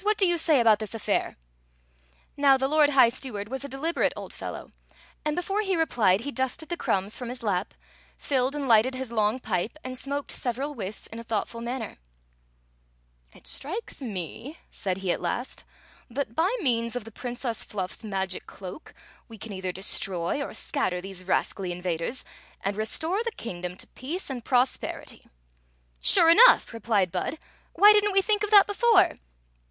What do you say about this af fair?" Now the lord high steward was a deliberate old fellow, and before he replied he dusted the crumbs from his lap, filled and lighted his long pipe, and smoked several whiffs in a thoughtful manner. Story of the Magic Cloak 225 " It strikes me," said he at last "that by means <rf the Princess Fluffs magic cbak we can either destroy or scatter these rascally invaders and restore the king dom to peace and prosperity." *> «M CMMtf ' MOB rm WW." "Sure enough!" replied Bud. "Why did n't we think of th^t before